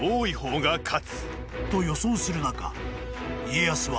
［と予想する中家康は］